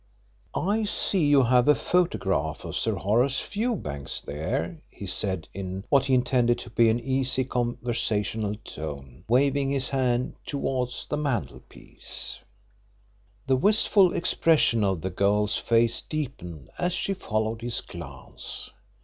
"I see you have a photograph of Sir Horace Fewbanks there," he said, in what he intended to be an easy conversational tone, waving his hand towards the mantelpiece. The wistful expression of the girl's face deepened as she followed his glance.